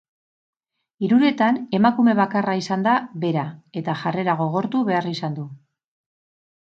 Hiruretan emakume bakarra izan da bera eta jarrera gogortu behar izan du.